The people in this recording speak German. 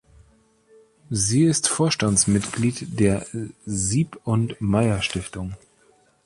Sie ist Vorstandsmitglied der Sieb&Meyer-Stiftung.